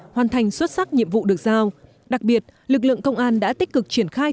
hoàn thành xuất sắc nhiệm vụ được giao đặc biệt lực lượng công an đã tích cực triển khai